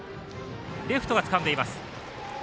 レフトがつかんでいます。